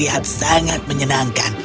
terlihat sangat menyenangkan